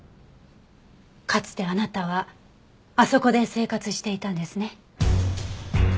かつてあなたはあそこで生活していたんですね。